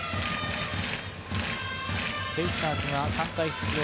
ベイスターズが３回出場